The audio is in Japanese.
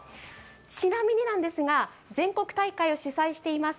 ちなみになんですが全国大会を主催しています